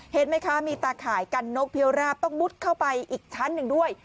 เห็นไหมคะมีตาข่ายกันนกเพียวราบต้องมุดเข้าไปอีกชั้นหนึ่งด้วย